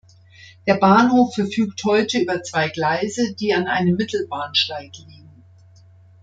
Der Bahnhof verfügt heute über zwei Gleise, die an einem Mittelbahnsteig liegen.